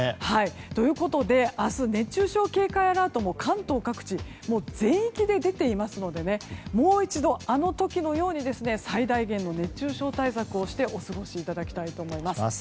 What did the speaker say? ということで明日、熱中症警戒アラートも関東各地、全域で出ていますのでもう一度、あの時のように最大限の熱中症対策をしてお過ごしいただきたいと思います。